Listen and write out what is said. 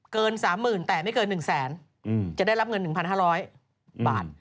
เกิน๓๐๐๐แต่ไม่เกิน๑แสนจะได้รับเงิน๑๕๐๐บาท